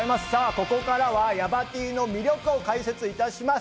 ここからはヤバＴの魅力を解説いたします。